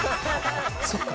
そっか